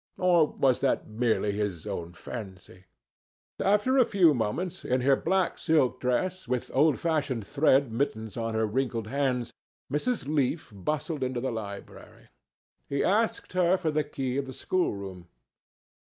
Or was that merely his own fancy? After a few moments, in her black silk dress, with old fashioned thread mittens on her wrinkled hands, Mrs. Leaf bustled into the library. He asked her for the key of the schoolroom.